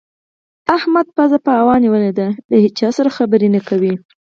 احمد پزه په هوا نيول ده؛ له هيچا سره خبرې نه کوي.